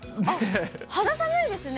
肌寒いですね。